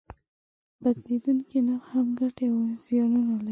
د بدلیدونکي نرخ هم ګټې او زیانونه لري.